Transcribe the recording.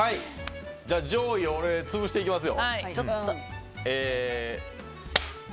じゃあ上位を俺潰していきますよ。